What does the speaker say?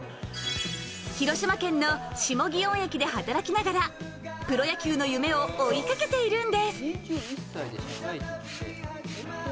広島県の下祇園駅で働きながらプロ野球の夢を追いかけているんです。